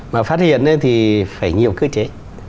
mà phát hiện thì phải nhiều cơ chế